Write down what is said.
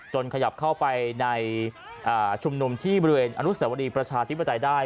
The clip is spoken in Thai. ขยับเข้าไปในชุมนุมที่บริเวณอนุสวรีประชาธิปไตยได้